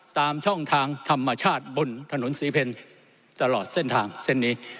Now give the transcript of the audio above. ตามช่องทางธรรมชาติบนถนนศรีเพลตลอดเส้นทางเส้นนี้